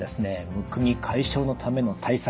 むくみ解消のための対策